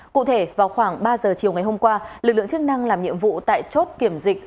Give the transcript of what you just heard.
cụ thể vào khoảng ba giờ chiều ngày hôm qua lực lượng chức năng làm nhiệm vụ tại chốt kiểm dịch